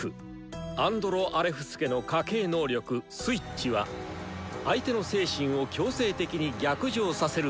アンドロ・アレフス家の家系能力「逆鱗」は「相手の精神を強制的に逆上させる」